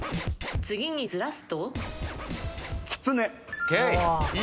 次にずらすと？